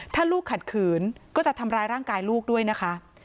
ถ้าลูกขัดขืนก็จะทำร้ายร่างกายลูกด้วยนะคะ